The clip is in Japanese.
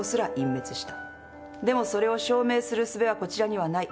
でもそれを証明する術はこちらにはない。